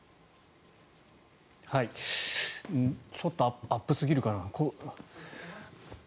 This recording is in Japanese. ちょっとアップすぎるかな。